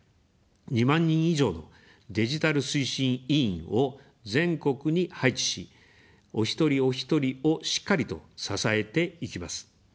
２万人以上のデジタル推進委員を全国に配置し、お一人おひとりをしっかりと支えていきます。